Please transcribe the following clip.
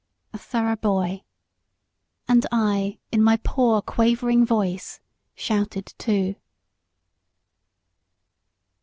a thorough boy. And I, in my poor, quavering voice, shouted too.